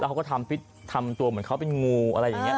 เขาก็ทำตัวเหมือนเขาเป็นงูอะไรอย่างนี้